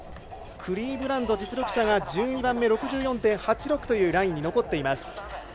クリーブランド実力者が１２番目６４．８６というラインに残っています。